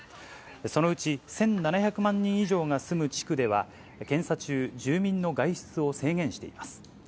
そのうち１７００万人以上が住む地区では、検査中、住民の外出を制限しています。